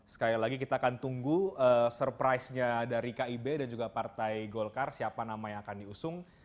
sekali lagi kita akan tunggu surprise nya dari kib dan juga partai golkar siapa nama yang akan diusung